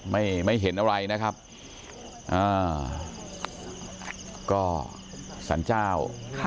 ไม่ไม่เห็นอะไรนะครับอ่าก็สรรเจ้า